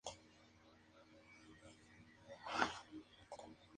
Su principal fuente de economía es la agricultura y la ganadería.